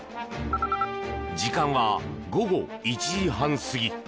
時間は午後１時半過ぎ。